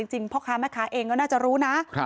พ่อค้าแม่ค้าเองก็น่าจะรู้นะ